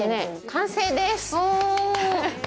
完成です。